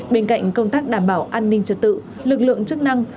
bên cạnh công tác đảm bảo an ninh trật tự lực lượng chức năng